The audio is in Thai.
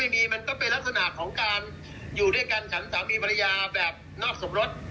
มีภรรยาหลักษารชัดเจนไหม